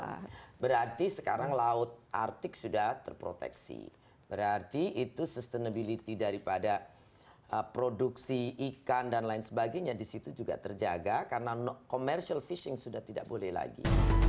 nah berarti sekarang laut artik sudah terproteksi berarti itu sustainability daripada produksi ikan dan lain sebagainya disitu juga terjaga karena commercial fishing sudah tidak boleh lagi